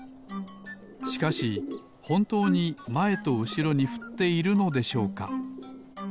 しかしほんとうにまえとうしろにふっているのでしょうか。